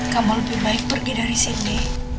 kamu lebih baik pergi dari sini